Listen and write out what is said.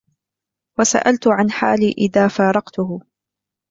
وسألت عن حالي إذا فارقته